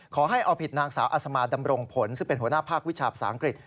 ขอให้เอาผิดนางสาวอัศมาดำรงผลซึ่งเป็นหัวหน้าภาควิชาภาษาอังกฤษ